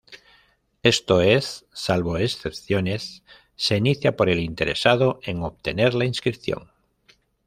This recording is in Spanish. Esto es, salvo excepciones, se inicia por el interesado en obtener la inscripción.